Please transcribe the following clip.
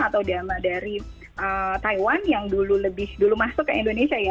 atau drama dari taiwan yang dulu masuk ke indonesia ya